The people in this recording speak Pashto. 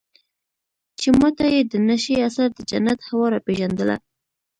چې ما ته يې د نشې اثر د جنت هوا راپېژندله.